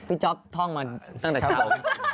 พี่จ๊อกท่องมันตั้งแต่เช้า